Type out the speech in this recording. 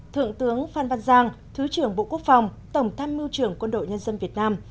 thượng tướng phan văn giang thứ trưởng bộ quốc phòng tổng tham mưu trưởng quân đội nhân dân việt nam